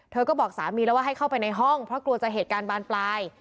เธอก็บอกสามีแล้วว่าให้เข้าไปในห้องเพราะกลัวจะเหตุการณ์บานปลาย